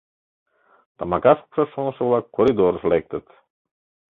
Тамака шупшаш шонышо-влак коридорыш лектыт.